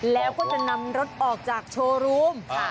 แล้วก็จะนำรถออกจากโชว์รูม